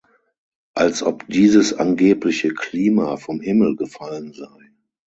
Als ob dieses angebliche "Klima" vom Himmel gefallen sei!